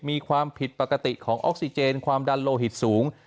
มีความผิดปกติของออกซิเจนความดันโลหิตสูง